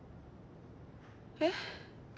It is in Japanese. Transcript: えっ？